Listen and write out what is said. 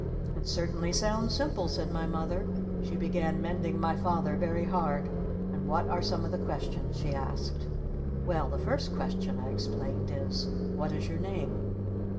"It certainly sounds simple," said my Mother. She began mending my Father very hard. "And what are some of the questions?" she asked. "Well the first question," I explained, "is 'What is your name?'"